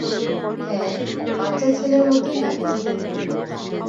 হ্যাঁ, বাচ্চা ছেলের মতো লাগছে।